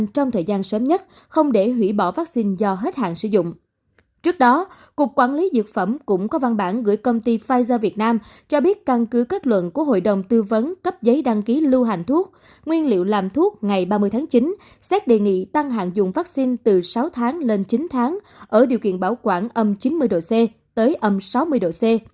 trước đó cục quản lý dược phẩm cũng có văn bản gửi công ty pfizer việt nam cho biết căn cứ kết luận của hội đồng tư vấn cấp giấy đăng ký lưu hành thuốc nguyên liệu làm thuốc ngày ba mươi tháng chín xét đề nghị tăng hạn dùng vaccine từ sáu tháng lên chín tháng ở điều kiện bảo quản ấm chín mươi độ c tới ấm sáu mươi độ c